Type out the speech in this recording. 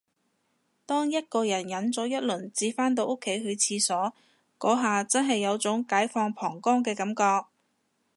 當一個人忍咗一輪至返到屋企去廁所，嗰下真係有種解放膀胱嘅感覺